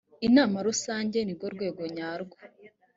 inama rusange ni rwo rwego nyarwo .